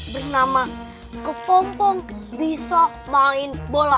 bernama kepompong bisa main bola